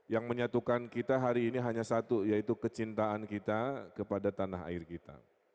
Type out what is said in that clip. yang menyatukan kita hari ini hanya satu yaitu kecintaan kita kepada tanah air kita